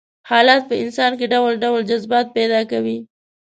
حالات په انسان کې ډول ډول جذبات پيدا کوي.